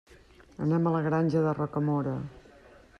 Anem a la Granja de Rocamora.